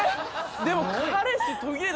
でも。